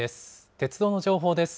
鉄道の情報です。